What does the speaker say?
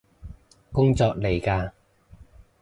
工作嚟嘎？